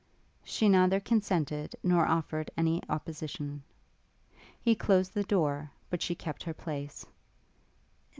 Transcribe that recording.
She neither consented nor offered any opposition. He closed the door, but she kept her place.